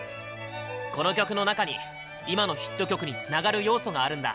この曲の中に今のヒット曲につながる要素があるんだ。